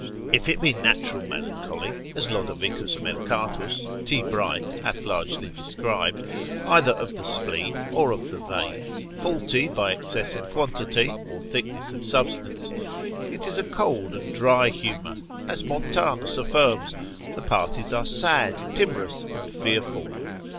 If it be natural melancholy, as Lod. Mercatus, lib. 1. cap. 17. de melan. T. Bright. c. 16. hath largely described, either of the spleen, or of the veins, faulty by excess of quantity, or thickness of substance, it is a cold and dry humour, as Montanus affirms, consil. 26 the parties are sad, timorous and fearful.